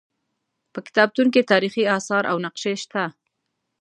په کتابتون کې تاریخي اثار او نقشې شته.